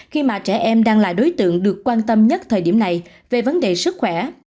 khi mà trẻ em đang là đối tượng được quan tâm nhất thời điểm này về vấn đề sức khỏe